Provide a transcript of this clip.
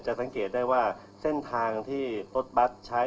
สังเกตได้ว่าเส้นทางที่รถบัตรใช้